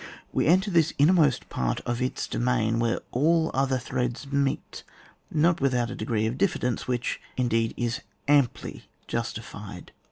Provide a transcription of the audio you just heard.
We enter this innermost part of. its do main, where all other threads meet, not without a degree of diffidence, which, in deed, is amply justified.